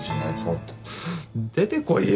本当出てこいよ！